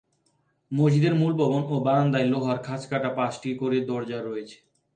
মসজিদের মূল ভবন ও বারান্দায় লোহার খাঁজকাটা পাঁচটি করে দরজা রয়েছে।